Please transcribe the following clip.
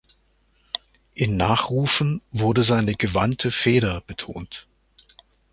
In Nachrufen wurde seine „gewandte Feder“ betont.